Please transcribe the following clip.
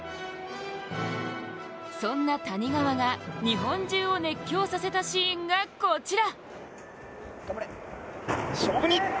そんな谷川が、日本中を熱狂させたシーンがこちら。